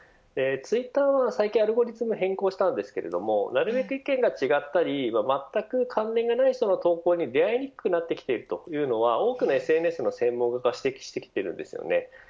ツイッターは最近アルゴリズムの変更をしたんですけどなるべく意見が違ったり全く関連ない人の投稿に出会いにくくなってきているというのは、多くのＳＮＳの専門家が指摘してきているんです。